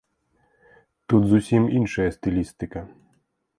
Тут зусім іншая стылістыка.